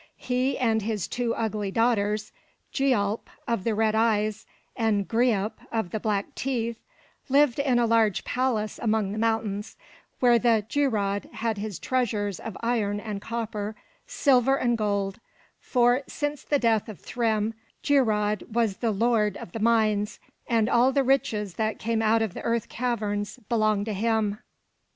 He and his two ugly daughters Gialp of the red eyes, and Greip of the black teeth lived in a large palace among the mountains, where Geirröd had his treasures of iron and copper, silver and gold; for, since the death of Thrym, Geirröd was the Lord of the Mines, and all the riches that came out of the earth caverns belonged to him.